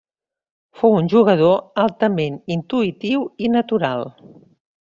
Fou un jugador altament intuïtiu i natural.